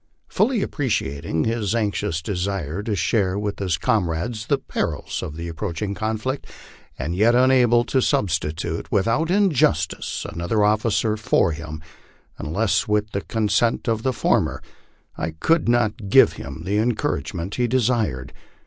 Fully appreciating his anxious desire to share with his comrades the perils of the approaching conflict, and yet unable to substitute, without injustice, another officer for him unless with the consent of the former, I could not give him the encouragement he desired.